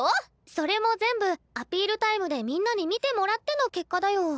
それも全部アピールタイムでみんなに見てもらっての結果だよ。